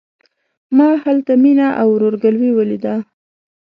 ما هلته مينه او ورور ګلوي وليده.